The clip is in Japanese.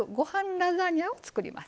ラザニアを作ります。